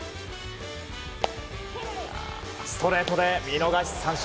ストレートで見逃し三振！